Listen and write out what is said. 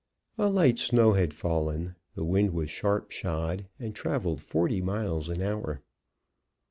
A light snow had fallen; the wind was sharp shod, and traveled forty miles an hour.